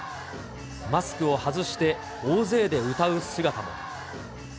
マスクを外して大勢で歌う姿も。